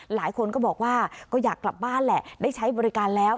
หลายคนก็บอกว่าก็อยากกลับบ้านแหละได้ใช้บริการแล้ว